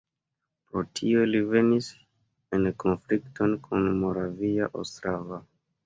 Pro tio ili venis en konflikton kun Moravia Ostrava.